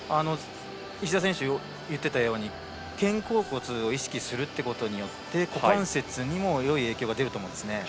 石田選手言っていたように肩甲骨を意識することによって股関節にもよい影響が出ると思うんですね。